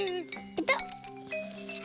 ペタッ。